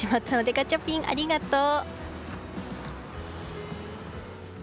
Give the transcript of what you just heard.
ガチャピン、ありがとう。